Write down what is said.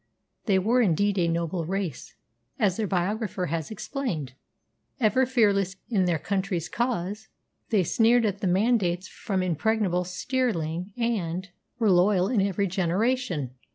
They were indeed a noble race, as their biographer has explained. Ever fearless in their country's cause, they sneered at the mandates from impregnable Stirling, and were loyal in every generation.